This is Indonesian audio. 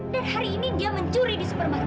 dan hari ini dia mencuri di supermarket